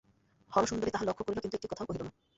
হরসুন্দরী তাহা লক্ষ্য করিল কিন্তু একটি কথাও কহিল না।